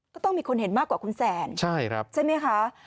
ก็ต้องมีคนเห็นมากกว่าคุณแสนใช่ไหมคะ